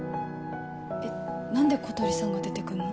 えっ何で小鳥さんが出てくるの？